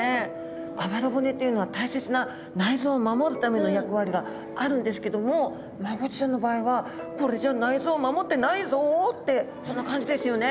あばら骨っていうのは大切な内臓を守るための役割があるんですけどもマゴチちゃんの場合はこれじゃ内臓を守ってないぞうってそんな感じですよね。